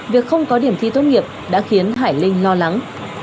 việc không có điểm thi tốt nghiệp đã khiến hải linh lo lắng